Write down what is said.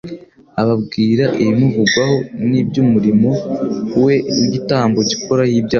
ababwira ibimuvugwaho n'iby'umurimo we w'igitambo gikuraho ibyaha.